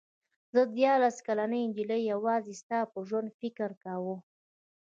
زه دیارلس کلنې نجلۍ یوازې ستا په ژوند فکر کاوه.